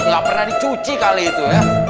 gak pernah dicuci kali itu